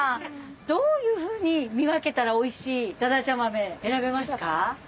どういうふうに見分けたらおいしいだだちゃ豆選べますか？